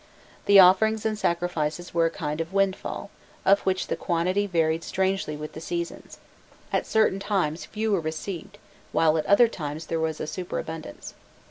The offerings and sacrifices were a kind of windfall, of which the quantity varied strangely with the seasons; at certain times few were received, while at other times there was a superabundance.